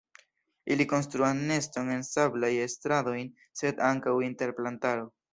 Ili konstruas neston en sablaj strandoj sed ankaŭ inter plantaro.